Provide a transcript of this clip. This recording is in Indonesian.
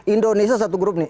indonesia satu grup nih